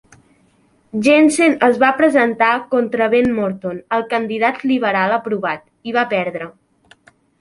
Jensen es va presentar contra Ben Morton, el candidat liberal aprovat, i va perdre.